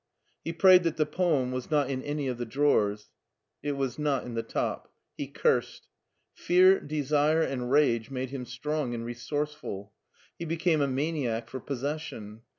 He prayed that the poem was not in any of HEIDELBERG 8l the drawers. It was not in the top. He cursed. Fear, desire, and rage made him strong and resourceful. He became a maniac for possession.